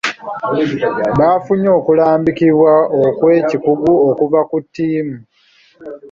Baafunye okulambikibwa okw'ekikugu okuva ku ttiimu.